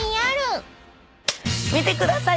見てください。